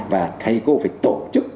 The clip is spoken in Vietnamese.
và thầy cô phải tổ chức